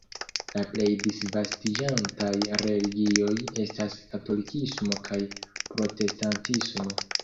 La plej disvastiĝintaj religioj estas katolikismo kaj protestantismo.